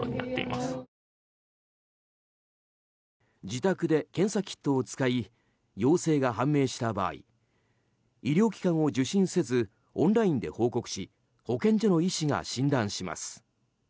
自宅で検査キットを使い陽性が判明した場合医療機関を受診せずオンラインで報告し保健所の医師が診断します。